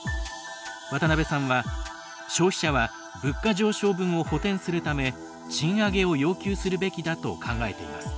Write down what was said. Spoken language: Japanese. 渡辺さんは消費者は物価上昇分を補填するため賃上げを要求するべきだと考えています。